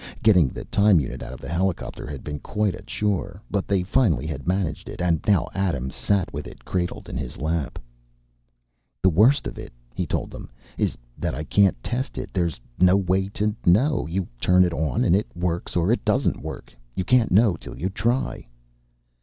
Getting the time unit out of the helicopter had been quite a chore, but they finally had managed and now Adams sat with it cradled in his lap. "The worst of it," he told them, "is that I can't test it. There's no way to. You turn it on and it works or it doesn't work. You can't know till you try."